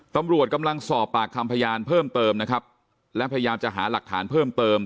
ตำรวจกำลังสอบปากคำพยานเพิ่มเติมนะครับและพยายามจะหาหลักฐานเพิ่มเติม